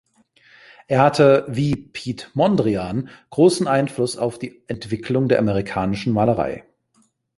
Er hatte wie Piet Mondrian großen Einfluss auf die Entwicklung der amerikanischen Malerei.